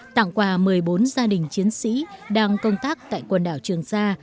tặng quà một mươi bốn gia đình chiến sĩ đang công tác tại quần đảo trường sa